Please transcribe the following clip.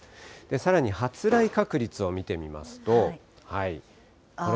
さらに発雷確率を見てみますと。